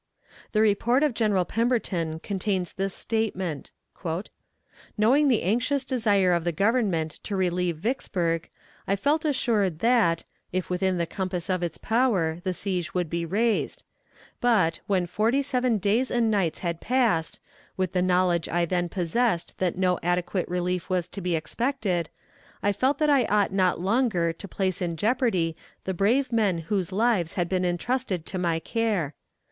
The report of General Pemberton contains this statement: "Knowing the anxious desire of the Government to relieve Vicksburg, I felt assured that, if within the compass of its power, the siege would be raised; but, when forty seven days and nights had passed, with the knowledge I then possessed that no adequate relief was to be expected, I felt that I ought not longer to place in jeopardy the brave men whose lives had been intrusted to my care.